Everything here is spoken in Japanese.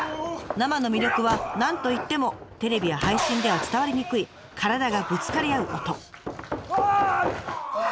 生の魅力は何といってもテレビや配信では伝わりにくい体がぶつかり合う音。